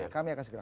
kami akan segera